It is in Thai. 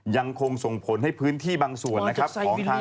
ยังคงส่งผลให้พื้นที่บางส่วนนะครับของทาง